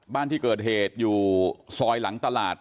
บ้านที่เกิดเหตุอยู่ซอยหลังตลาด